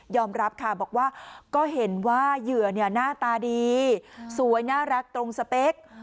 รับค่ะบอกว่าก็เห็นว่าเหยื่อหน้าตาดีสวยน่ารักตรงสเปค